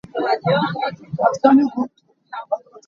Sibawi kan si.